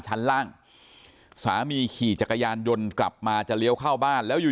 ชั้นล่างสามีขี่จักรยานยนต์กลับมาจะเลี้ยวเข้าบ้านแล้วอยู่